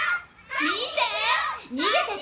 見て！